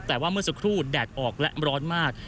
แต่ว่าเมื่อสักครู่แดดออกและร้อนมาก